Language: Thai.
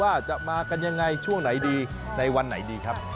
ว่าจะมากันยังไงช่วงไหนดีในวันไหนดีครับ